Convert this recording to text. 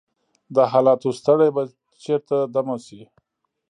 د حالاتو ستړی به چیرته دمه شي؟